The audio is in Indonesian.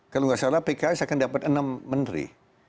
kalau nggak salah pks akan dapat enam menteri